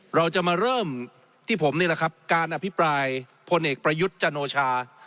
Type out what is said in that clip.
เราจะมาเริ่มที่ผมนี่แหละครับการอภิปรายพลเอกประยุทธ์จันโอชา